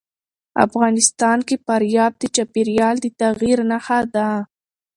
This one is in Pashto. افغانستان کې فاریاب د چاپېریال د تغیر نښه ده.